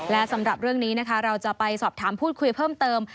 และสำหรับเรื่องนี้นะคะเราจะไปสอบถามพูดคุยเพิ่มเติม